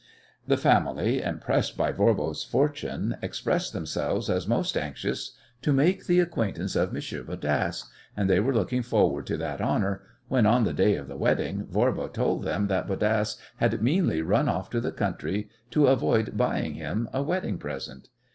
The family, impressed by Voirbo's fortune, expressed themselves as most anxious to make the acquaintance of Monsieur Bodasse, and they were looking forward to that honour when, on the day of the wedding, Voirbo told them that Bodasse had meanly run off to the country to avoid buying him a wedding present.